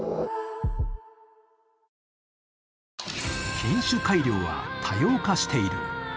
品種改良は多様化している。